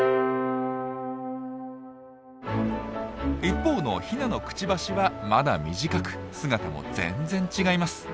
一方のヒナのクチバシはまだ短く姿も全然違います。